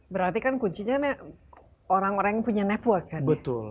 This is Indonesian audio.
berarti kan kuncinya orang orang yang punya network